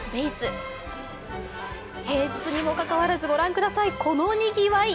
平日にもかかわらず御覧ください、このにぎわい。